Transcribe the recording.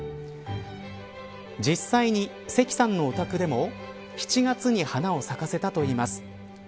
実際に関さんのお宅でも７月に花を咲かせたといいます。